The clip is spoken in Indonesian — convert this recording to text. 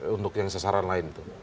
untuk yang sasaran lain itu